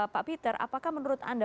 pak peter apakah menurut anda